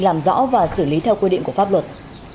làm rõ và xử lý theo quy định của pháp luật